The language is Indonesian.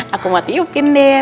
aku mau tiupin deh